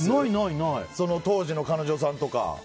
当時の彼女さんとか。